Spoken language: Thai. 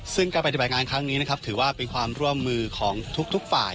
ซึ่งการปฏิบัติงานครั้งนี้นะครับถือว่าเป็นความร่วมมือของทุกฝ่าย